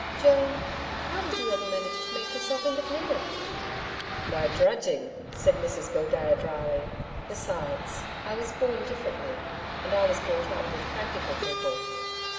Joan, how did you ever manage to make yourself independent?' 'By drudging,' said Mrs Gildea dryly. 'Besides, I was born differently. And I was brought up with practical people.'